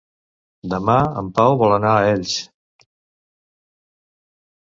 Demà en Pau vol anar a Elx.